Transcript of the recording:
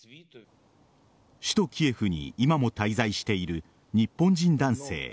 首都・キエフに今も滞在している日本人男性